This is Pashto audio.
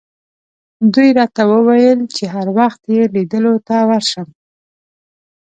دوی راته وویل چې هر وخت یې لیدلو ته ورشم.